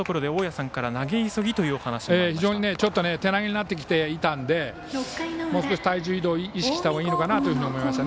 先ほどから非常に手投げになってきていたのでもう少し体重移動を意識したほうがいいかなと思いました。